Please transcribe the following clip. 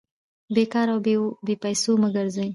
بې کاره او بې پېسو مه ګرځئ!